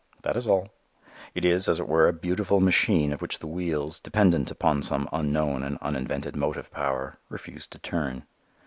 That is all. It is, as it were, a beautiful machine of which the wheels, dependent upon some unknown and uninvented motive power, refuse to turn.